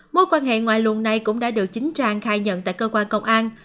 mối quan hệ ngoại luận này cũng đã được chính trang khai nhận tại cơ quan công an